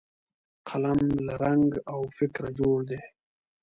قلم له رنګ او فکره جوړ دی